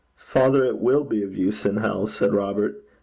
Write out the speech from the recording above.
'Father, it will be of use in hell,' said Robert.